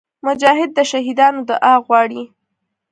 مجاهد د شهیدانو دعا غواړي.